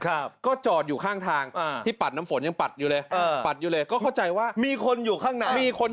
ก็จอดอยู่ข้างทางที่ปัดน้ำฝนยังปัดอยู่เลยก็เข้าใจว่ามีคนอยู่ข้างใน